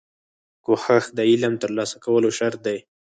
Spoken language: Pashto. کوښښ د علم ترلاسه کولو شرط دی.